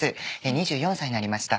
２４歳になりました。